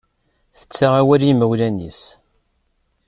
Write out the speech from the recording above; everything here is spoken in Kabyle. Yettaɣ awal i yimawlan-is.